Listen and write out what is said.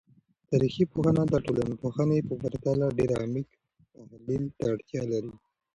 تاریخي پوهنه د ټولنپوهنې په پرتله ډیر عمیق تحلیل ته اړتیا لري.